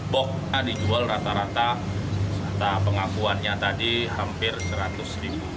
boknya dijual rata rata pengakuannya tadi hampir seratus ribu